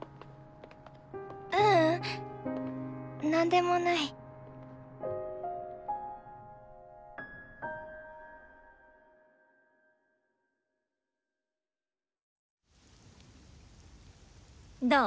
ううんなんでもない。どう？